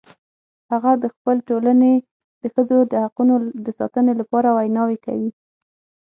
هغه د خپل ټولنې د ښځو د حقونو د ساتنې لپاره ویناوې کوي